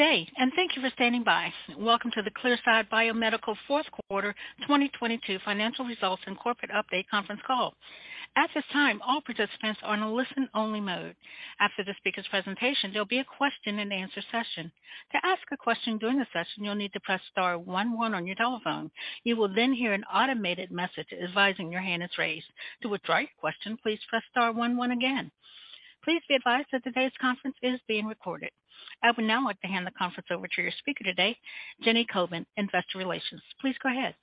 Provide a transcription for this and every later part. Good day, and thank you for standing by. Welcome to the Clearside Biomedical Fourth Quarter 2022 Financial Results and Corporate Update conference call. At this time, all participants are in a listen-only mode. After the speaker's presentation, there'll be a question-and-answer session. To ask a question during the session, you'll need to press star one one on your telephone. You will hear an automated message advising your hand is raised. To withdraw your question, please press star one one again. Please be advised that today's conference is being recorded. I would now like to hand the conference over to your speaker today, Jenny Kobin, Investor Relations. Please go ahead.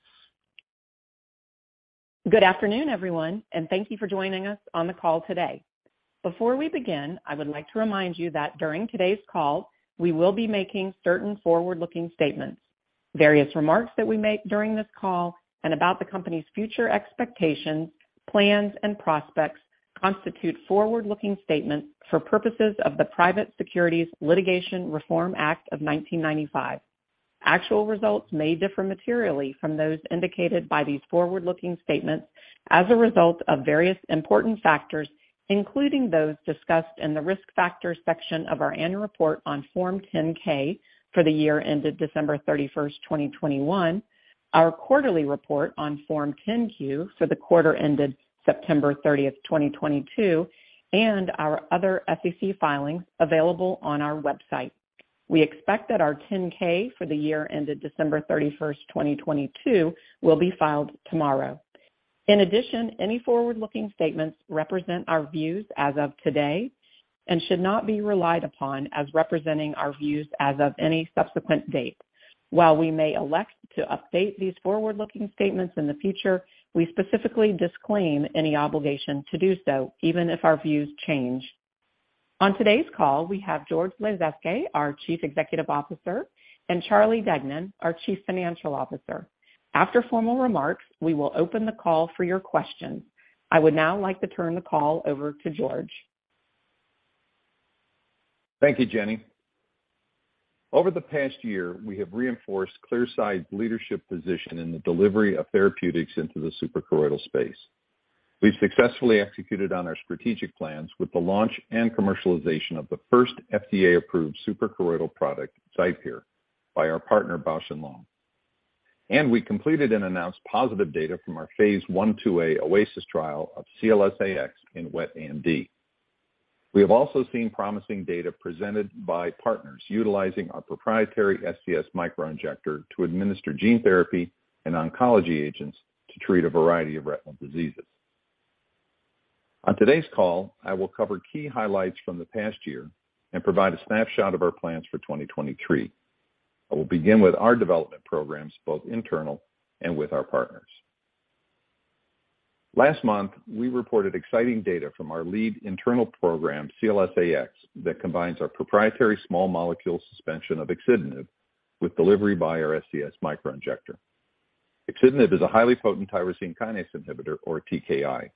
Good afternoon, everyone, and thank you for joining us on the call today. Before we begin, I would like to remind you that during today's call, we will be making certain forward-looking statements. Various remarks that we make during this call and about the company's future expectations, plans, and prospects constitute forward-looking statements for purposes of the Private Securities Litigation Reform Act of 1995. Actual results may differ materially from those indicated by these forward-looking statements as a result of various important factors, including those discussed in the Risk Factors section of our annual report on Form 10-K for the year ended December 31st, 2021, our quarterly report on Form 10-Q for the quarter ended September 30th, 2022, and our other SEC filings available on our website. We expect that our 10-K for the year ended December 31st, 2022, will be filed tomorrow. In addition, any forward-looking statements represent our views as of today and should not be relied upon as representing our views as of any subsequent date. While we may elect to update these forward-looking statements in the future, we specifically disclaim any obligation to do so, even if our views change. On today's call, we have George Lasezkay, our Chief Executive Officer; and Charlie Deignan, our Chief Financial Officer. After formal remarks, we will open the call for your questions. I would now like to turn the call over to George. Thank you, Jenny. Over the past year, we have reinforced Clearside's leadership position in the delivery of therapeutics into the suprachoroidal space. We've successfully executed on our strategic plans with the launch and commercialization of the first FDA-approved suprachoroidal product, XIPERE, by our partner Bausch + Lomb. We completed and announced positive data from our phase II/II-A OASIS trial of CLS-AX in wet AMD. We have also seen promising data presented by partners utilizing our proprietary SCS Microinjector to administer gene therapy and oncology agents to treat a variety of retinal diseases. On today's call, I will cover key highlights from the past year and provide a snapshot of our plans for 2023. I will begin with our development programs, both internal and with our partners. Last month, we reported exciting data from our lead internal program, CLS-AX, that combines our proprietary small molecule suspension of axitinib with delivery by our SCS Microinjector. Axitinib is a highly potent tyrosine kinase inhibitor, or TKI,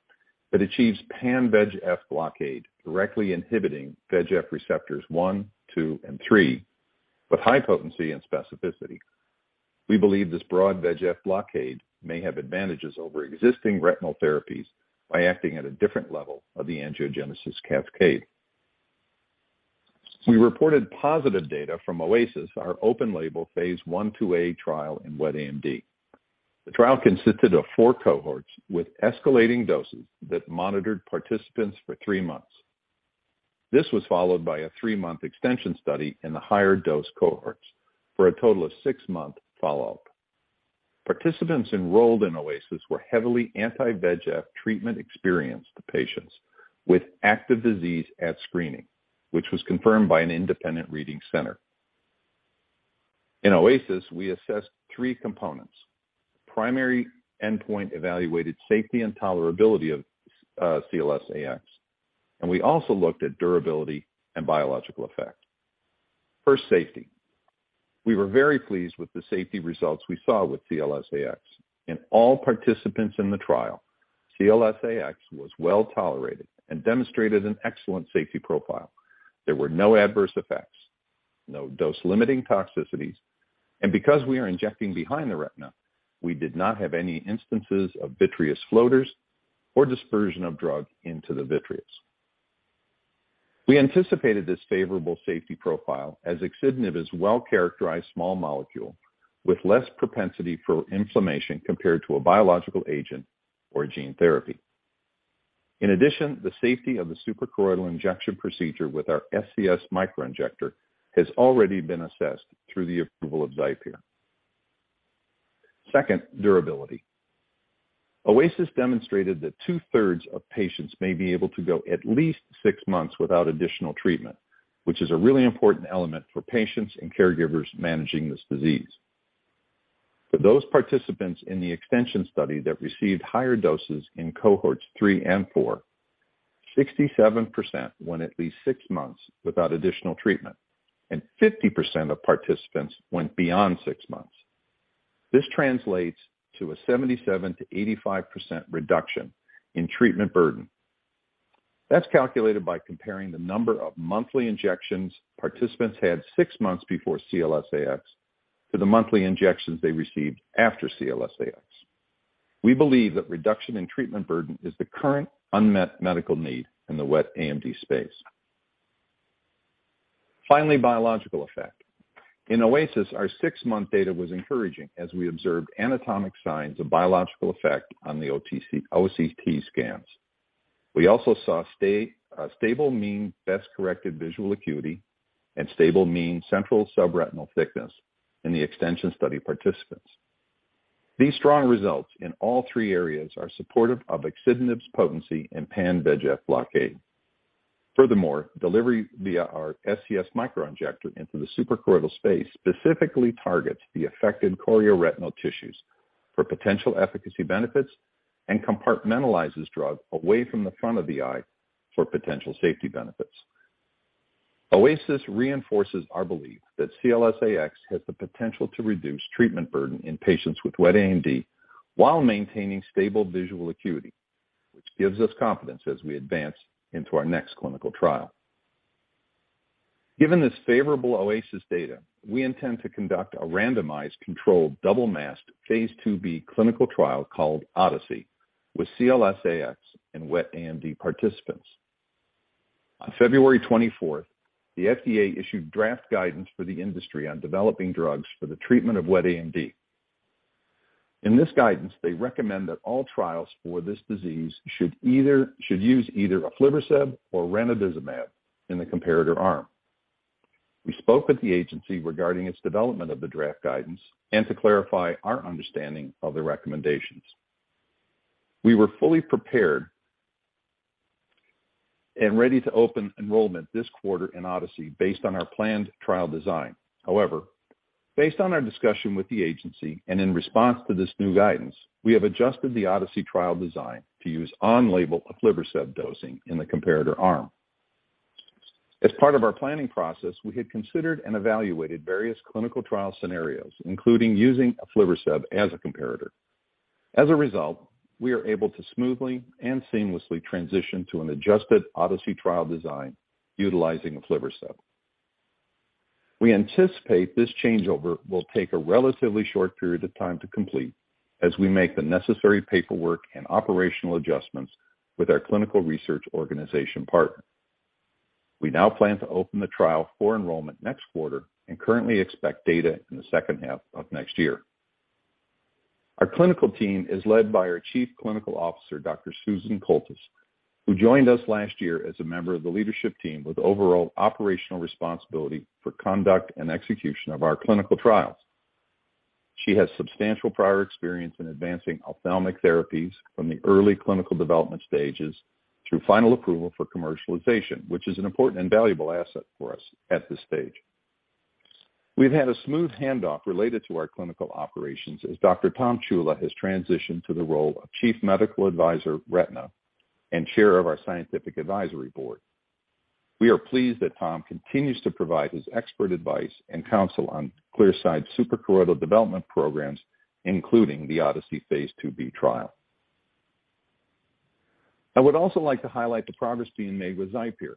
that achieves pan-VEGF blockade, directly inhibiting VEGF receptors one, two, and three with high potency and specificity. We believe this broad VEGF blockade may have advantages over existing retinal therapies by acting at a different level of the angiogenesis cascade. We reported positive data from OASIS, our open label phase I/II-A trial in wet AMD. The trial consisted of four cohorts with escalating doses that monitored participants for three months. This was followed by a three-month extension study in the higher dose cohorts for a total of six-month follow-up. Participants enrolled in OASIS were heavily anti-VEGF treatment experienced patients with active disease at screening, which was confirmed by an independent reading center. In OASIS, we assessed three components. Primary endpoint evaluated safety and tolerability of CLS-AX, and we also looked at durability and biological effect. First, safety. We were very pleased with the safety results we saw with CLS-AX. In all participants in the trial, CLS-AX was well tolerated and demonstrated an excellent safety profile. There were no adverse effects, no dose-limiting toxicities, and because we are injecting behind the retina, we did not have any instances of vitreous floaters or dispersion of drug into the vitreous. We anticipated this favorable safety profile as axitinib is well-characterized small molecule with less propensity for inflammation compared to a biological agent or gene therapy. The safety of the suprachoroidal injection procedure with our SCS Microinjector has already been assessed through the approval of XIPERE. Second, durability. OASIS demonstrated that 2/3 of patients may be able to go at least six months without additional treatment, which is a really important element for patients and caregivers managing this disease. For those participants in the extension study that received higher doses in cohorts three and four, 67% went at least six months without additional treatment, and 50% of participants went beyond six months. This translates to a 77%-85% reduction in treatment burden. That's calculated by comparing the number of monthly injections participants had six months before CLS-AX to the monthly injections they received after CLS-AX. We believe that reduction in treatment burden is the current unmet medical need in the wet AMD space. Finally, biological effect. In OASIS, our six-month data was encouraging as we observed anatomic signs of biological effect on the OCT scans. We also saw stable mean best-corrected visual acuity and stable mean central subretinal thickness in the extension study participants. These strong results in all three areas are supportive of axitinib's potency in pan-VEGF blockade. Delivery via our SCS Microinjector into the suprachoroidal space specifically targets the affected chorioretinal tissues for potential efficacy benefits and compartmentalizes drug away from the front of the eye for potential safety benefits. OASIS reinforces our belief that CLS-AX has the potential to reduce treatment burden in patients with wet AMD while maintaining stable visual acuity, which gives us confidence as we advance into our next clinical trial. Given this favorable OASIS data, we intend to conduct a randomized controlled double masked phase II-B clinical trial called ODYSSEY with CLS-AX and wet AMD participants. On February 24th, the FDA issued draft guidance for the industry on developing drugs for the treatment of wet AMD. In this guidance, they recommend that all trials for this disease should use either aflibercept or ranibizumab in the comparator arm. We spoke with the agency regarding its development of the draft guidance and to clarify our understanding of the recommendations. We were fully prepared and ready to open enrollment this quarter in ODYSSEY based on our planned trial design. Based on our discussion with the agency and in response to this new guidance, we have adjusted the ODYSSEY trial design to use on-label aflibercept dosing in the comparator arm. As part of our planning process, we had considered and evaluated various clinical trial scenarios, including using aflibercept as a comparator. As a result, we are able to smoothly and seamlessly transition to an adjusted ODYSSEY trial design utilizing aflibercept. We anticipate this changeover will take a relatively short period of time to complete as we make the necessary paperwork and operational adjustments with our clinical research organization partner. We now plan to open the trial for enrollment next quarter and currently expect data in the second half of next year. Our clinical team is led by our Chief Clinical Officer, Dr. Susan Coultas, who joined us last year as a member of the leadership team with overall operational responsibility for conduct and execution of our clinical trials. She has substantial prior experience in advancing ophthalmic therapies from the early clinical development stages through final approval for commercialization, which is an important and valuable asset for us at this stage. We've had a smooth handoff related to our clinical operations as Dr. Tom Ciulla has transitioned to the role of Chief Medical Advisor-Retina and Chair, Scientific Advisory Board. We are pleased that Tom continues to provide his expert advice and counsel on Clearside's suprachoroidal development programs, including the ODYSSEY phase II-B trial. I would also like to highlight the progress being made with XIPERE,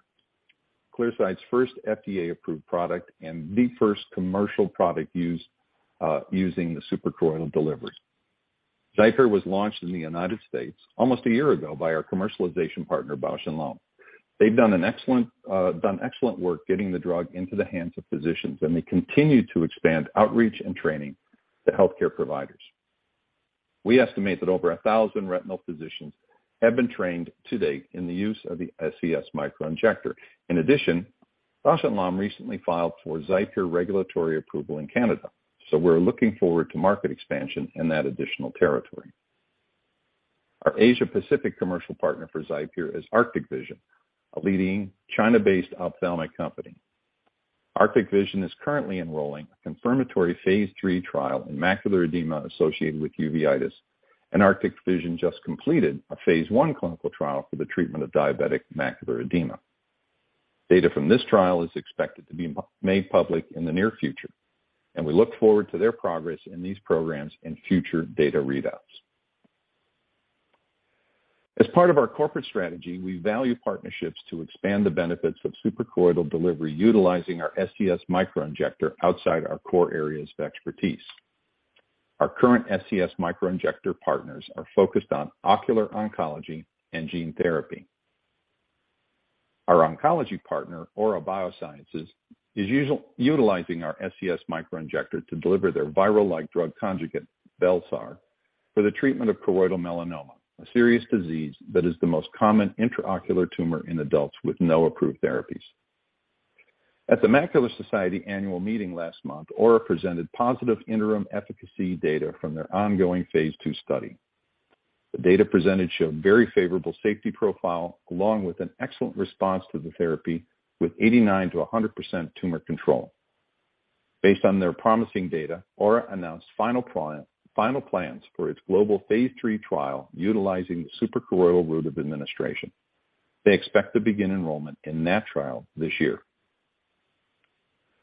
Clearside's first FDA-approved product and the first commercial product used using the suprachoroidal delivery. XIPERE was launched in the United States almost a year ago by our commercialization partner, Bausch + Lomb. They've done excellent work getting the drug into the hands of physicians, and they continue to expand outreach and training to healthcare providers. We estimate that over 1,000 retinal physicians have been trained to date in the use of the SCS Microinjector. In addition, Bausch + Lomb recently filed for XIPERE regulatory approval in Canada, so we're looking forward to market expansion in that additional territory. Our Asia-Pacific commercial partner for XIPERE is Arctic Vision, a leading China-based ophthalmic company. Arctic Vision is currently enrolling a confirmatory phase III trial in macular edema associated with uveitis. Arctic Vision just completed a phase I clinical trial for the treatment of diabetic macular edema. Data from this trial is expected to be made public in the near future, and we look forward to their progress in these programs in future data readouts. As part of our corporate strategy, we value partnerships to expand the benefits of suprachoroidal delivery utilizing our SCS Microinjector outside our core areas of expertise. Our current SCS Microinjector partners are focused on ocular oncology and gene therapy. Our oncology partner, Aura Biosciences, is utilizing our SCS Microinjector to deliver their viral-like drug conjugate, bel-sar, for the treatment of choroidal melanoma, a serious disease that is the most common intraocular tumor in adults with no approved therapies. At the Macula Society annual meeting last month, Aura presented positive interim efficacy data from their ongoing phase II study. The data presented showed very favorable safety profile along with an excellent response to the therapy with 89%-100% tumor control. Based on their promising data, Aura announced final plans for its global phase III trial utilizing the suprachoroidal route of administration. They expect to begin enrollment in that trial this year.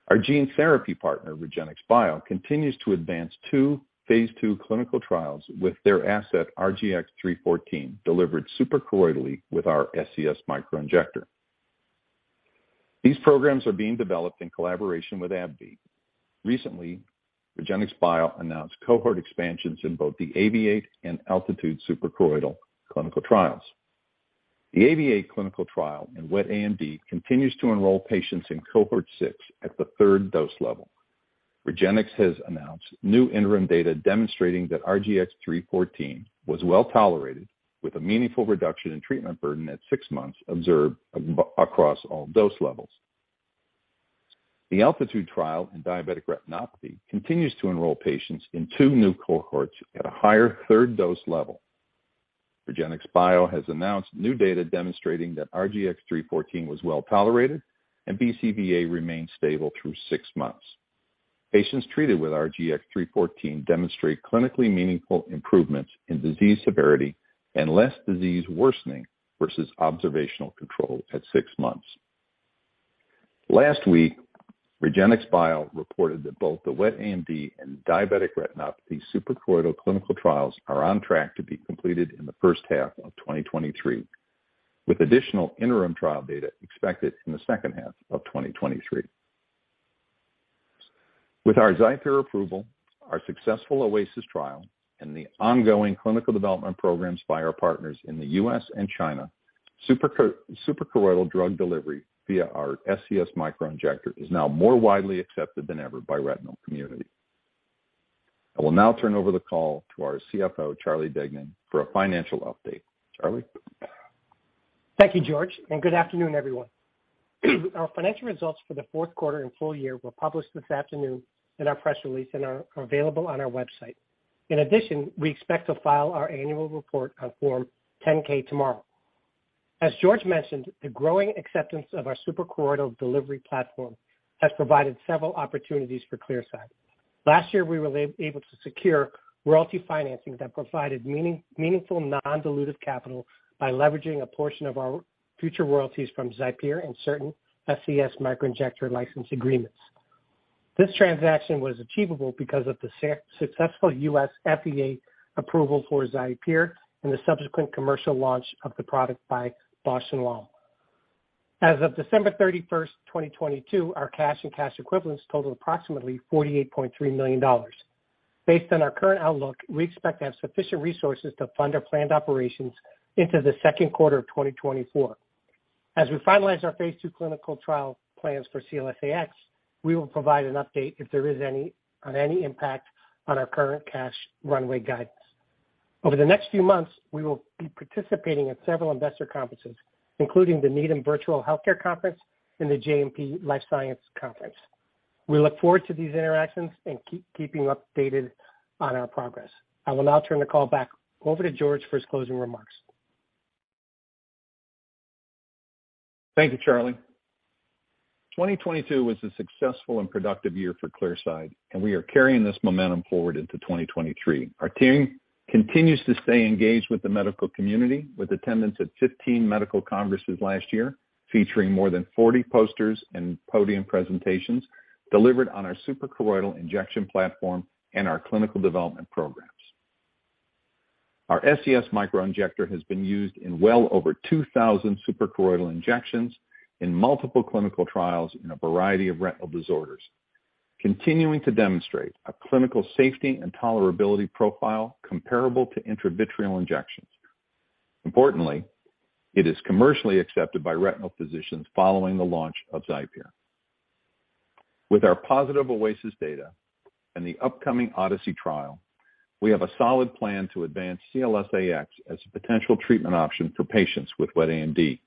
Our gene therapy partner, REGENXBIO, continues to advance two phase II clinical trials with their asset RGX-314 delivered suprachoroidal with our SCS Microinjector. These programs are being developed in collaboration with AbbVie. Recently, REGENXBIO announced cohort expansions in both the AAVIATE and ALTITUDE suprachoroidal clinical trials. The AAVIATE clinical trial in wet AMD continues to enroll patients in cohort six at the third dose level. REGENX has announced new interim data demonstrating that RGX-314 was well tolerated with a meaningful reduction in treatment burden at six months observed across all dose levels. The ALTITUDE trial in diabetic retinopathy continues to enroll patients in two new cohorts at a higher third dose level. REGENXBIO has announced new data demonstrating that RGX-314 was well tolerated, and BCVA remained stable through six months. Patients treated with RGX-314 demonstrate clinically meaningful improvements in disease severity and less disease worsening versus observational control at six months. Last week, REGENXBIO reported that both the wet AMD and diabetic retinopathy suprachoroidal clinical trials are on track to be completed in the first half of 2023, with additional interim trial data expected in the second half of 2023. With our XIPERE approval, our successful OASIS trial, and the ongoing clinical development programs by our partners in the U.S. and China, suprachoroidal drug delivery via our SCS Microinjector is now more widely accepted than ever by retinal community. I will now turn over the call to our CFO, Charlie Deignan, for a financial update. Charlie? Thank you, George. Good afternoon, everyone. Our financial results for the fourth quarter and full year were published this afternoon in our press release and are available on our website. In addition, we expect to file our annual report on Form 10-K tomorrow. As George mentioned, the growing acceptance of our suprachoroidal delivery platform has provided several opportunities for Clearside. Last year, we were able to secure royalty financing that provided meaningful non-dilutive capital by leveraging a portion of our future royalties from XIPERE and certain SCS Microinjector license agreements. This transaction was achievable because of the successful U.S. FDA approval for XIPERE and the subsequent commercial launch of the product by Bausch + Lomb. As of December 31, 2022, our cash and cash equivalents totaled approximately $48.3 million. Based on our current outlook, we expect to have sufficient resources to fund our planned operations into the second quarter of 2024. As we finalize our phase II clinical trial plans for CLS-AX, we will provide an update if there is any, on any impact on our current cash runway guidance. Over the next few months, we will be participating in several investor conferences, including the Needham Virtual Healthcare Conference and the JMP Securities Life Sciences Conference. We look forward to these interactions and keeping updated on our progress. I will now turn the call back over to George for his closing remarks. Thank you, Charlie. 2022 was a successful and productive year for Clearside. We are carrying this momentum forward into 2023. Our team continues to stay engaged with the medical community with attendance at 15 medical congresses last year, featuring more than 40 posters and podium presentations delivered on our suprachoroidal injection platform and our clinical development programs. Our SCS Microinjector has been used in well over 2,000 suprachoroidal injections in multiple clinical trials in a variety of retinal disorders, continuing to demonstrate a clinical safety and tolerability profile comparable to intravitreal injections. Importantly, it is commercially accepted by retinal physicians following the launch of XIPERE. With our positive OASIS data and the upcoming ODYSSEY trial, we have a solid plan to advance CLS-AX as a potential treatment option for patients with wet AMD.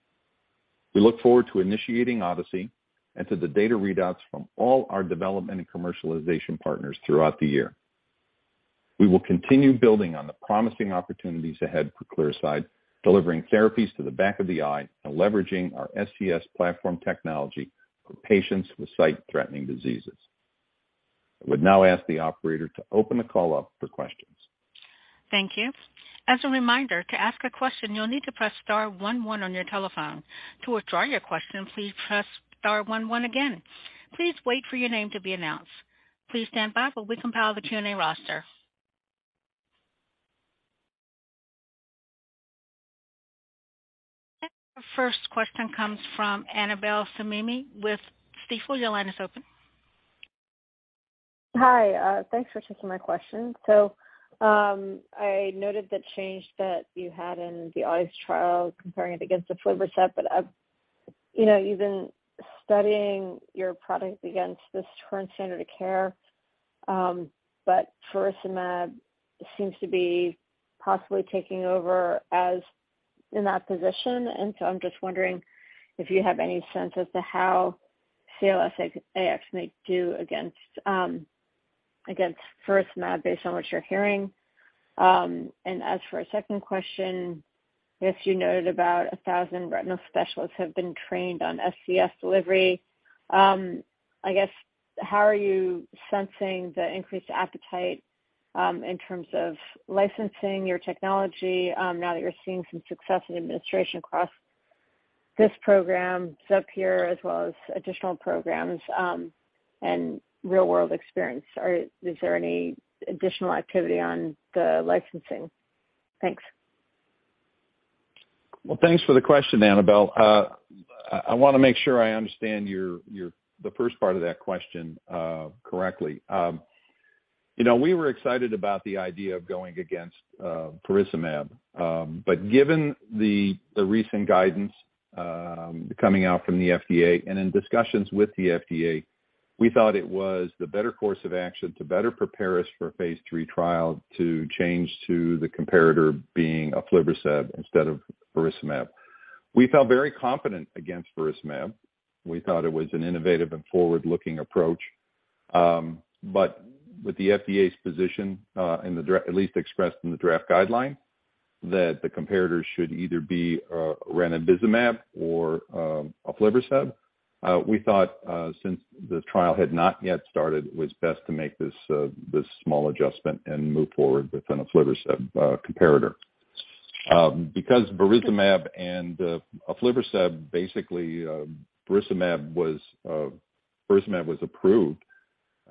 We look forward to initiating ODYSSEY and to the data readouts from all our development and commercialization partners throughout the year. We will continue building on the promising opportunities ahead for Clearside, delivering therapies to the back of the eye and leveraging our SCS platform technology for patients with sight-threatening diseases. I would now ask the operator to open the call up for questions. Thank you. As a reminder, to ask a question, you'll need to press star one one on your telephone. To withdraw your question, please press star one one again. Please wait for your name to be announced. Please stand by while we compile the Q&A roster. Our first question comes from Annabel Samimy with Stifel. Your line is open. Hi. Thanks for taking my question. I noted the change that you had in the ODYSSEY trial comparing it against aflibercept. You know, you've been studying your product against this current standard of care. Faricimab seems to be possibly taking over as in that position. I'm just wondering if you have any sense as to how CLS-AX may do against faricimab based on what you're hearing. As for a second question, I guess you noted about 1,000 retinal specialists have been trained on SCS delivery. I guess how are you sensing the increased appetite in terms of licensing your technology now that you're seeing some success in administration across this program, XIPERE as well as additional programs, and real-world experience? Is there any additional activity on the licensing? Thanks. Thanks for the question, Annabel. I wanna make sure I understand your the first part of that question correctly. You know, we were excited about the idea of going against faricimab. Given the recent guidance coming out from the FDA and in discussions with the FDA, we thought it was the better course of action to better prepare us for a phase III trial to change to the comparator being aflibercept instead of faricimab. We felt very confident against faricimab. We thought it was an innovative and forward-looking approach. With the FDA's position at least expressed in the draft guideline, that the comparators should either be ranibizumab or aflibercept. We thought since the trial had not yet started, it was best to make this this small adjustment and move forward within a aflibercept comparator. Because faricimab and aflibercept basically, faricimab was approved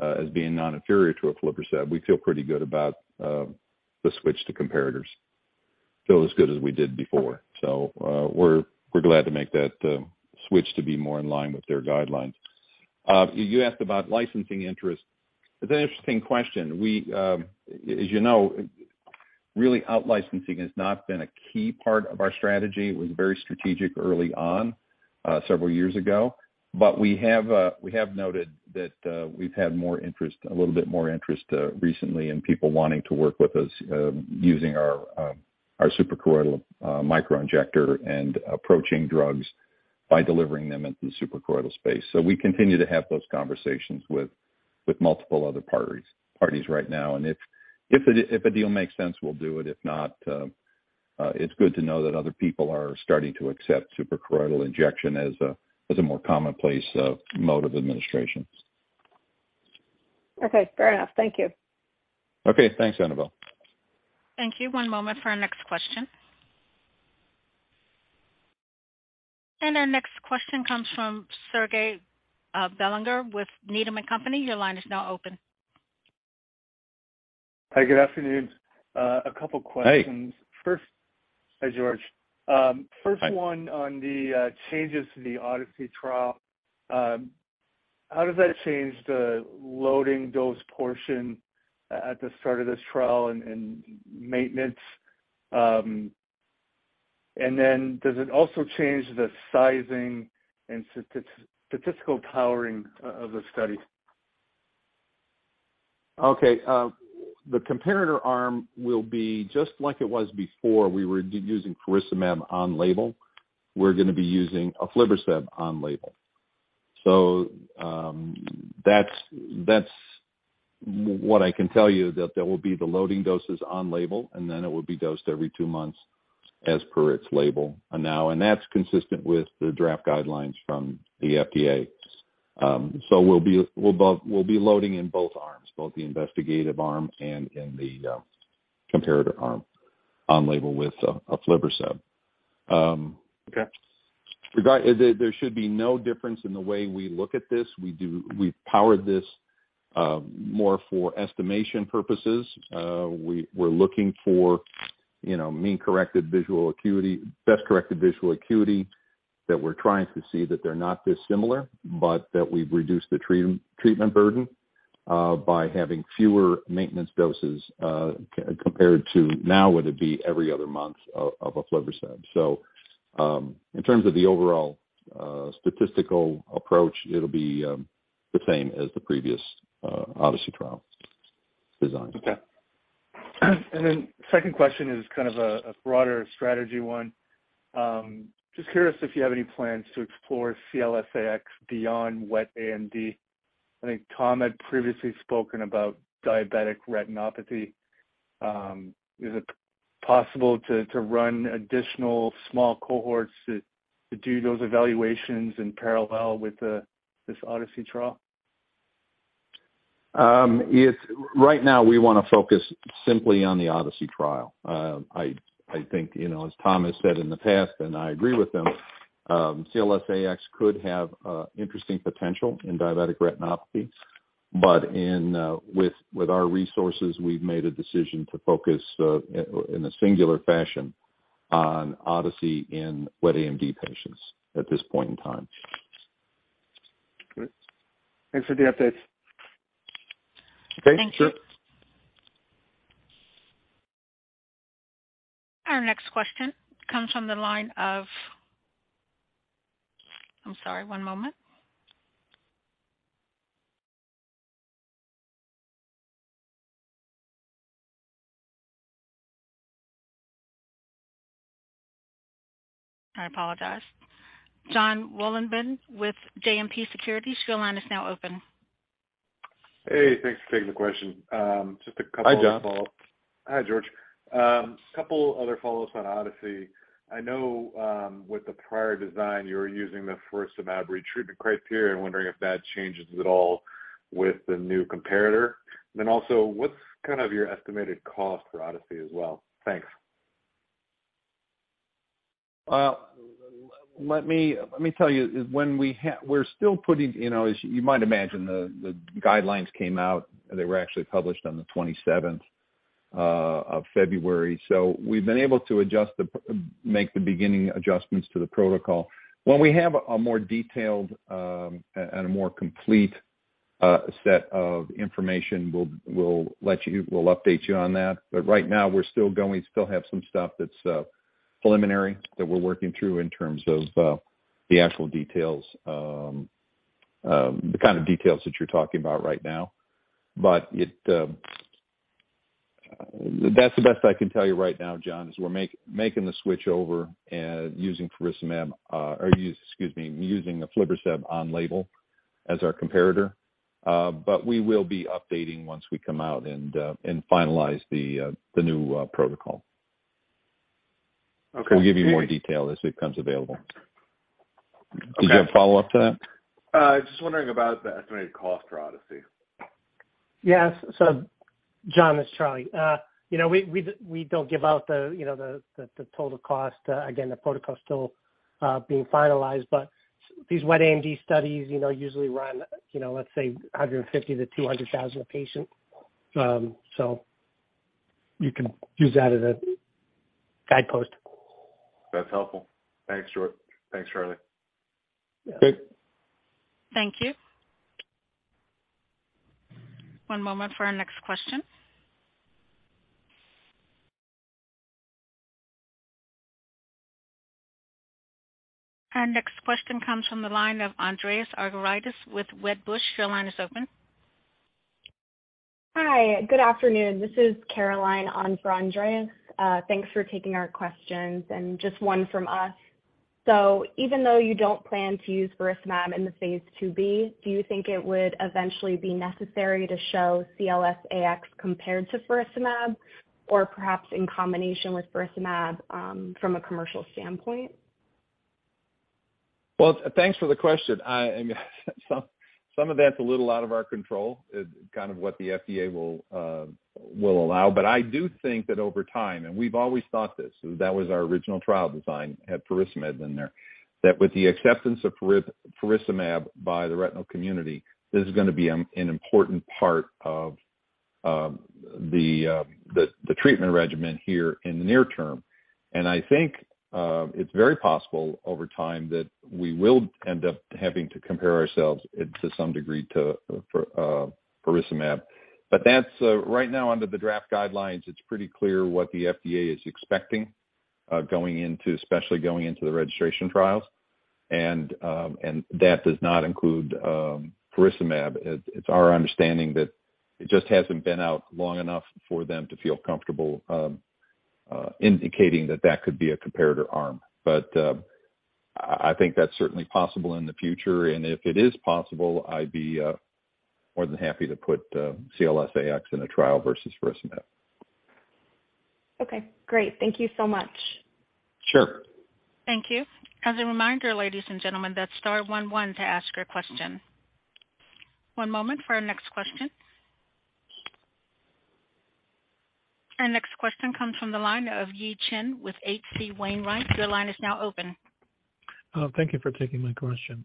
as being non-inferior to aflibercept, we feel pretty good about the switch to comparators. Feel as good as we did before. We're glad to make that switch to be more in line with their guidelines. You asked about licensing interest. It's an interesting question. We, as you know, really out-licensing has not been a key part of our strategy. It was very strategic early on, several years ago. We have noted that we've had more interest, a little bit more interest recently in people wanting to work with us, using our suprachoroidal Microinjector and approaching drugs by delivering them into the suprachoroidal space. We continue to have those conversations with multiple other parties right now. If a deal makes sense, we'll do it. If not, it's good to know that other people are starting to accept suprachoroidal injection as a more commonplace mode of administration. Okay, fair enough. Thank you. Okay, thanks, Annabel. Thank you. One moment for our next question. Our next question comes from Serge Belanger with Needham & Company. Your line is now open. Hi, good afternoon. A couple questions. Hey. First... Hi, George. Hi. First one on the changes to the ODYSSEY trial. How does that change the loading dose portion at the start of this trial and maintenance? Does it also change the sizing and statistical powering of the study? Okay. The comparator arm will be just like it was before we were using faricimab on label. We're gonna be using aflibercept on label. That's what I can tell you, that there will be the loading doses on label, and then it will be dosed every two months as per its label. That's consistent with the draft guidelines from the FDA. We'll be loading in both arms, both the investigative arm and in the comparator arm on label with aflibercept. Okay. There should be no difference in the way we look at this. We do, we've powered this more for estimation purposes. We're looking for, you know, mean corrected visual acuity, best corrected visual acuity that we're trying to see that they're not dissimilar, but that we've reduced the treatment burden by having fewer maintenance doses compared to now, would it be every other month of aflibercept. In terms of the overall statistical approach, it'll be the same as the previous ODYSSEY trial design. Okay. Second question is kind of a broader strategy one. Just curious if you have any plans to explore CLS-AX beyond wet AMD. I think Tom had previously spoken about diabetic retinopathy. Is it possible to run additional small cohorts to do those evaluations in parallel with this ODYSSEY trial? Right now we wanna focus simply on the ODYSSEY trial. I think, you know, as Tom has said in the past, and I agree with him, CLS-AX could have interesting potential in diabetic retinopathy. With our resources, we've made a decision to focus in a singular fashion on ODYSSEY in wet AMD patients at this point in time. Great. Thanks for the updates. Okay, sure. Thank you. Our next question comes from the line of. I'm sorry, one moment. I apologize. Jonathan Wolleben with JMP Securities. Your line is now open. Hey, thanks for taking the question. Just a couple of follow-ups. Hi, John. Hi, George. Couple other follow-ups on ODYSSEY. I know, with the prior design, you were using the faricimab retreatment criteria. I'm wondering if that changes at all with the new comparator. What's kind of your estimated cost for ODYSSEY as well? Thanks. Let me tell you. When we're still putting, you know, as you might imagine, the guidelines came out. They were actually published on the 27th of February. We've been able to make the beginning adjustments to the protocol. When we have a more detailed and a more complete set of information, we'll update you on that. Right now, we're still going, still have some stuff that's preliminary that we're working through in terms of the actual details. The kind of details that you're talking about right now. It... That's the best I can tell you right now, John, is we're making the switch over and using faricimab, or excuse me, using aflibercept on label as our comparator. We will be updating once we come out and finalize the new protocol. Okay. We'll give you more detail as it becomes available. Okay. Did you have a follow-up to that? Just wondering about the estimated cost for ODYSSEY? Yes. John, it's Charlie. you know, we don't give out the, you know, the total cost. Again, the protocol is still being finalized. These wet AMD studies, you know, usually run, you know, let's say $150,000-$200,000 a patient. you can use that as a guidepost. That's helpful. Thanks, George. Thanks, Charlie. Yeah. Okay. Thank you. One moment for our next question. Our next question comes from the line of Andreas Argyrides with Wedbush. Your line is open. Hi, good afternoon. This is Caroline on for Andreas. Thanks for taking our questions, and just one from us. Even though you don't plan to use faricimab in the phase II-B, do you think it would eventually be necessary to show CLS-AX compared to faricimab or perhaps in combination with faricimab, from a commercial standpoint? Well, thanks for the question. I, some of that's a little out of our control. It's kind of what the FDA will allow. I do think that over time, and we've always thought this, that was our original trial design, had faricimab in there. That with the acceptance of faricimab by the retinal community, this is gonna be an important part of the treatment regimen here in the near term. I think, it's very possible over time that we will end up having to compare ourselves in to some degree to faricimab. That's right now under the draft guidelines, it's pretty clear what the FDA is expecting, going into, especially going into the registration trials. That does not include faricimab. It's our understanding that it just hasn't been out long enough for them to feel comfortable, indicating that that could be a comparator arm. I think that's certainly possible in the future, and if it is possible, I'd be more than happy to put CLS-AX in a trial versus faricimab. Okay, great. Thank you so much. Sure. Thank you. As a reminder, ladies and gentlemen, that's star one one to ask your question. One moment for our next question. Our next question comes from the line of Yi Chen with H.C. Wainwright. Your line is now open. Thank you for taking my question.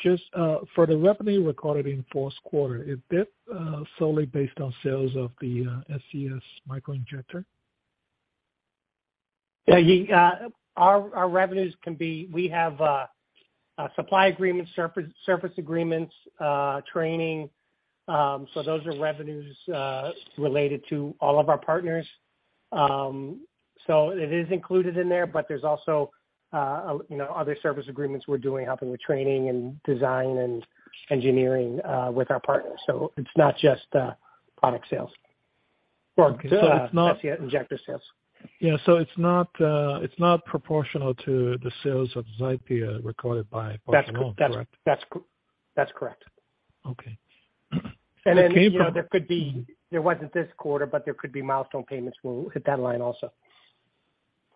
Just for the revenue recorded in fourth quarter, is that solely based on sales of the SCS Microinjector? Yeah, Yi, our revenues. We have a supply agreement, surface agreements, training. Those are revenues related to all of our partners. It is included in there. There's also, you know, other service agreements we're doing, helping with training and design and engineering with our partners. It's not just product sales. Okay. That's the injector sales. Yeah. It's not, it's not proportional to the sales of XIPERE recorded by Pfizer, correct? That's correct. Okay. You know, there wasn't this quarter, but there could be milestone payments. We'll hit that line also.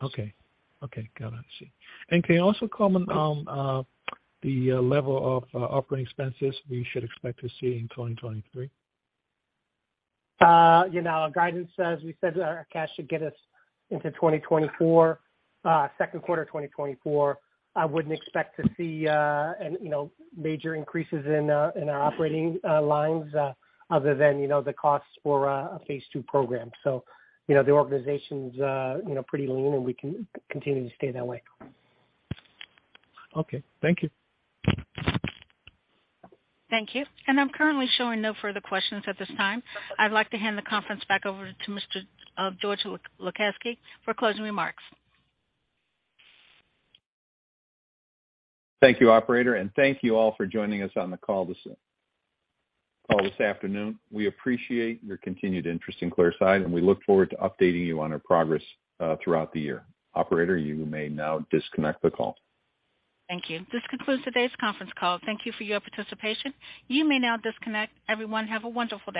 Okay. Okay, got it. I see. Can you also comment on the level of operating expenses we should expect to see in 2023? you know, our guidance says we said our cash should get us into 2024, second quarter 2024. I wouldn't expect to see, an, you know, major increases in our operating lines, other than, you know, the costs for a phase II program. you know, the organization's, you know, pretty lean, and we can continue to stay that way. Okay. Thank you. Thank you. I'm currently showing no further questions at this time. I'd like to hand the conference back over to Mr. George Lasezkay for closing remarks. Thank you, operator. Thank you all for joining us on the call this afternoon. We appreciate your continued interest in Clearside, and we look forward to updating you on our progress throughout the year. Operator, you may now disconnect the call. Thank you. This concludes today's conference call. Thank you for your participation. You may now disconnect. Everyone, have a wonderful day.